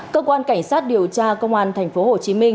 cơ quan cảnh sát điều tra công an tp hcm